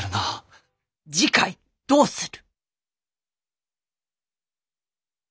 次回どうする。